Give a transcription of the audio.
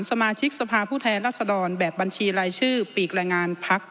สมาชิกสภาพผู้แทนรัศดรแบบบัญชีรายชื่อปีกแรงงานพัก